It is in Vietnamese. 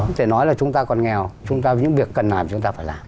có thể nói là chúng ta còn nghèo chúng ta những việc cần làm chúng ta phải làm